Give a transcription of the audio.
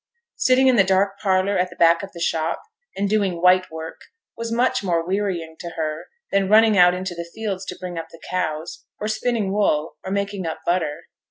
Sitting in the dark parlour at the back of the shop, and doing 'white work,' was much more wearying to her than running out into the fields to bring up the cows, or spinning wool, or making up butter.